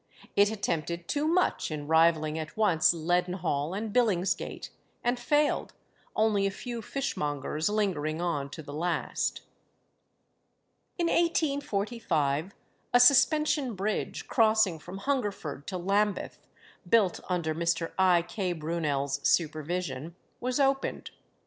It attempted too much in rivalling at once Leadenhall and Billingsgate, and failed only a few fishmongers lingering on to the last. In 1845 a suspension bridge, crossing from Hungerford to Lambeth (built under Mr. I. K. Brunel's supervision), was opened.